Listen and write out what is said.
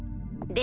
で